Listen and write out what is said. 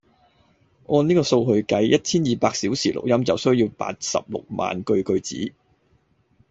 按呢個數去計，一千二百小時錄音就需要八十六萬句句子